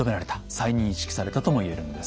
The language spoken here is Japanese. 再認識されたとも言えるんです。